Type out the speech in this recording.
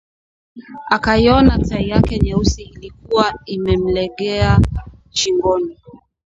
Akaiona tai yake nyeusi ilikuwa imemlegea shingoni